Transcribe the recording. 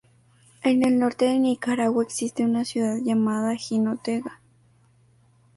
En el norte de Nicaragua existe una ciudad llamada Jinotega.